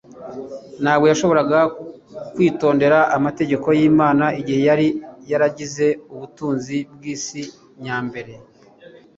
Ntabwo yashoboraga kwitondera amategeko y'Imana igihe yari yaragize ubutunzi bw'isi nyambere.